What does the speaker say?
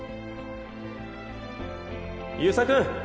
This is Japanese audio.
遊佐君！